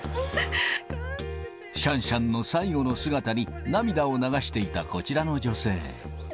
シャンシャンの最後の姿に涙を流していたこちらの女性。